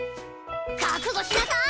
覚悟しなさい！